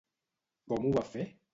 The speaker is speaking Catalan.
Com ho va fer?